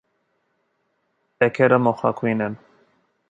Էգերը մոխրագույն են։